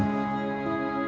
bapak sedih ngelihat kamu